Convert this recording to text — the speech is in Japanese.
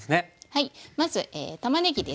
はいまずたまねぎです。